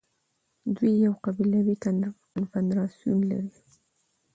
دوی يو قبيلوي کنفدراسيون وو